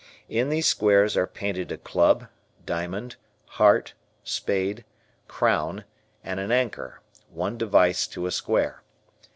In these squares are painted a club, diamond, heart, spade, crown, and an anchor, one device to a square.